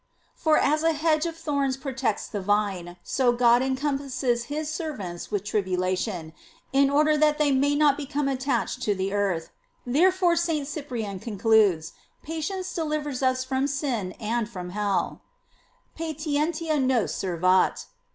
For as a hedge of thorns protects the vine, so God encompasses his servants with tribulation, in order thai they may not become attached to the earth; therefore St. Cyprian concludes, patience delivers us from sin and from hell: "Patientia nos servat.